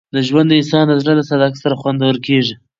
ژوند د انسان د زړه له صداقت سره خوندور کېږي.